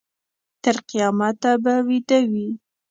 تر قیامته به ویده وي.